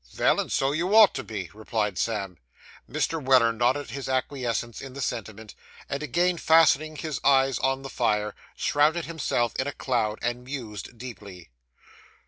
'Vell, and so you ought to be,' replied Sam. Mr. Weller nodded his acquiescence in the sentiment, and again fastening his eyes on the fire, shrouded himself in a cloud, and mused deeply.